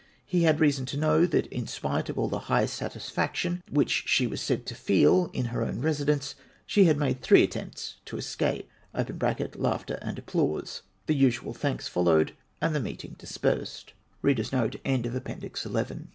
He had reason to know, that in spite of all that high satis faction which she was said to feel in her own residence, she had made three attempts to escape {laughter and apphmsey The usual thanks followed, and the meeting dispersed. APPENDIX XII.